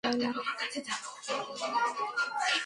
তোমার কাছ থেকে আমার কিছু চাই না।